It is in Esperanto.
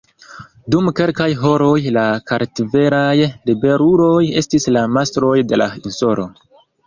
Dum kelkaj horoj, la kartvelaj ribeluloj estis la mastroj de la insulo.